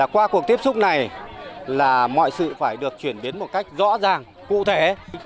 qua cuộc tiếp xúc này là mọi sự phải được chuyển biến một cách rõ ràng cụ thể